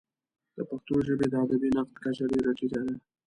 د پښتو ژبې د ادبي نقد کچه ډېره ټیټه ده.